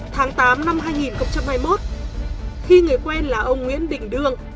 tháng tám năm hai nghìn hai mươi một khi người quen là ông nguyễn đình đương